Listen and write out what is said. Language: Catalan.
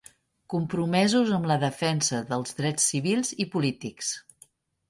Compromesos amb la defensa dels drets civils i polítics.